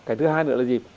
cái thứ hai nữa là gì